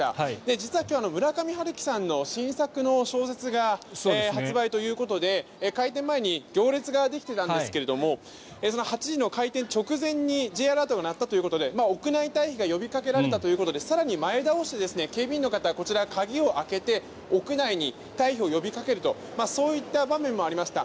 実は今日村上春樹さんの新作の小説が発売ということで、開店前に行列ができていたんですがその８時の開店直前にＪアラートが鳴ったということで屋内退避が呼びかけられたということで更に前倒して警備員の方、鍵を開けて屋内に退避を呼びかけるとそういった場面もありました。